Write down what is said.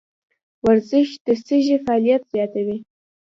ورزش د سږي فعالیت زیاتوي.